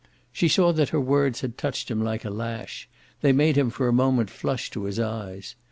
She saw that her words had touched him like a lash; they made him for a moment flush to his eyes.